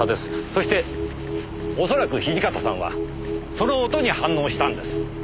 そして恐らく土方さんはその音に反応したんです。